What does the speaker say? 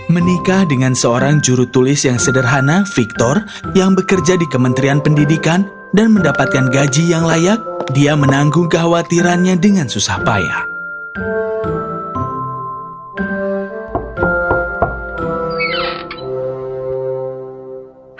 menikah dengan seorang juru tulis yang sederhana victor yang bekerja di kementerian pendidikan dan mendapatkan gaji yang layak dia menanggung kekhawatirannya dengan susah payah